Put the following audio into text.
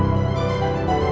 lo udah ngerti kan